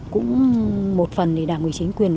cũng một phần thì đảng ủy chính quyền